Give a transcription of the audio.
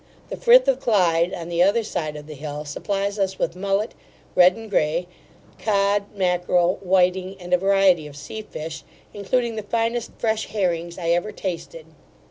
The Frith of Clyde, on the other side of the hill, supplies us with mullet, red and grey, cod, mackarel, whiting, and a variety of sea fish, including the finest fresh herrings I ever tasted.